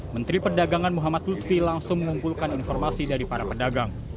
menteri perdagangan muhammad lutfi langsung mengumpulkan informasi dari para pedagang